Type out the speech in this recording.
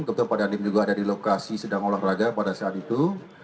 kebetulan pak dandim juga ada di lokasi sedang olahraga pada saat itu